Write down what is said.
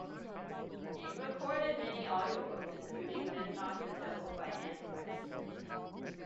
He recorded many audiobooks, including "Memnoch the Devil" by Anne Rice.